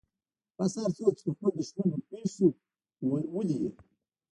بس هرڅوک چې پر خپل دښمن ورپېښ سو ولي يې.